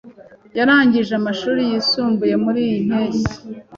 Yarangije amashuri yisumbuye muriyi mpeshyi.